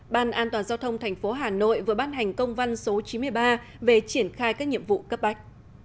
ban an toàn giao thông thành phố hà nội vừa ban hành công văn số chín mươi ba về triển khai các nhiệm vụ cấp bách